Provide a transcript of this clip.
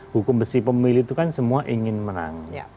hukum besi pemilih itu kan semua ingin menang